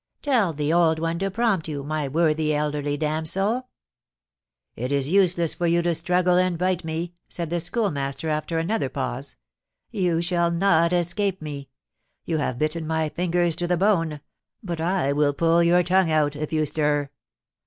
Tell the 'old one' to prompt you, my worthy elderly damsel." "It is useless for you to struggle and bite me," said the Schoolmaster, after another pause. "You shall not escape me, you have bitten my fingers to the bone; but I will pull your tongue out, if you stir.